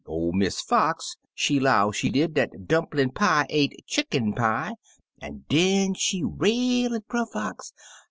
01' Miss Fox, she 'low, she did, dat dumplin' pie ain't chicken pie, an' den she rail at Brer Fox.